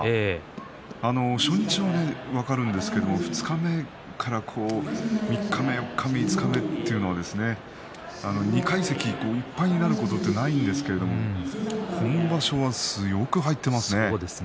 初日は分かるんですけれども二日目から三日目四日目、五日目というのは２階席がいっぱいになることはないんですけれども今場所は、よく入っていますよね。